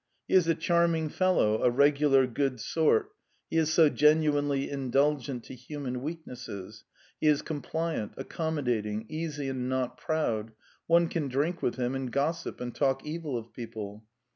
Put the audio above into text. He is a charming fellow, a regular good sort, he is so genuinely indulgent to human weaknesses; he is compliant, accommodating, easy and not proud; one can drink with him and gossip and talk evil of people.